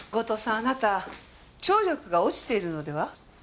あなた聴力が落ちているのでは？